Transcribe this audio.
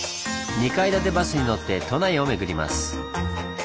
２階建てバスに乗って都内を巡ります。